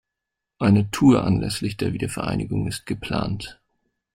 Eine Tour anlässlich der Wiedervereinigung ist geplant.